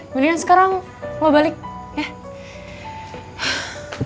mendingan sekarang mau balik ya